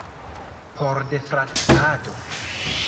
Pordfrapado